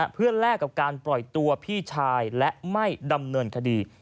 เพื่อแลกกับการปล่อยตัวพี่ชายและไม่ดำเนินคดี